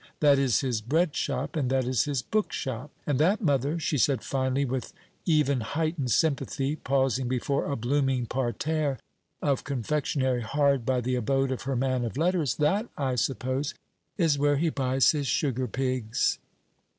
"That is his bread shop, and that is his book shop. And that, mother," she said finally, with even heightened sympathy, pausing before a blooming parterre of confectionery hard by the abode of her man of letters, "that, I suppose, is where he buys his sugar pigs."